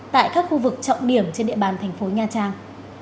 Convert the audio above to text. tại các khu vực trọng điểm trên địa bàn thành phố nha trang